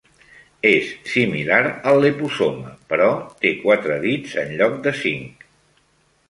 És similar al "Leposoma", però té quatre dits en lloc de cinc.